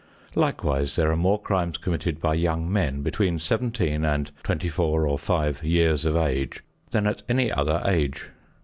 Likewise there are more crimes committed by young men between seventeen and twenty four or five years of age than at any other age.